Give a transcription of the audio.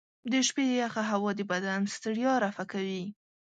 د شپې یخه هوا د بدن ستړیا رفع کوي.